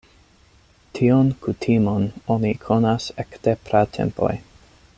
Tion kutimon oni konas ekde pratempoj.